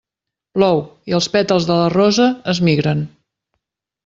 Plou i els pètals de la rosa es migren.